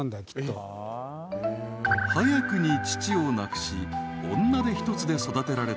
［早くに父を亡くし女手一つで育てられた加藤茶］